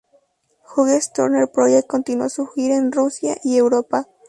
Hughes Turner Project continuó su gira en Rusia y Europa.